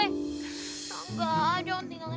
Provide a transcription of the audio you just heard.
enggak jangan tinggalkan